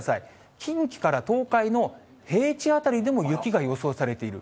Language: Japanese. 近畿から東海の平地辺りでも雪が予想されている。